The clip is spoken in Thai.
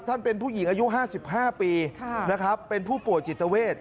ท่านเป็นผู้หญิงอายุห้าสิบห้าปีค่ะนะครับเป็นผู้ป่วยจิตเวศ